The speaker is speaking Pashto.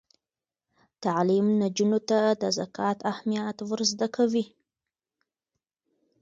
تعلیم نجونو ته د زکات اهمیت ور زده کوي.